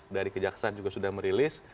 dari kejaksaan juga sudah merilis